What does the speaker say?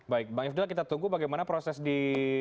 baik bang ifdal kita tunggu bagaimana proses di